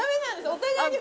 お互いに。